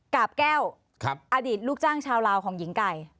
กาบแก้วอดีตลูกจ้างชาวลาวของหญิงไก่